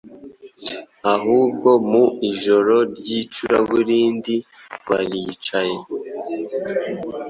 Ahubwo mu ijoro ry’icuraburindi baricaye